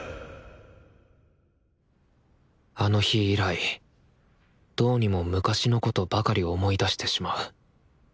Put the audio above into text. あの日以来どうにも昔のことばかり思い出してしまう。